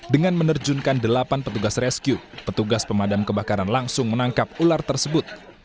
dengan menerjunkan delapan petugas rescue petugas pemadam kebakaran langsung menangkap ular tersebut